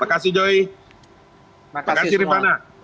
terima kasih jokowi